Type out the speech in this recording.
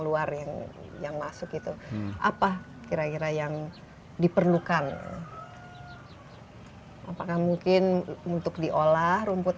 luar yang yang masuk itu apa kira kira yang diperlukan hai apakah mungkin untuk diolah rumput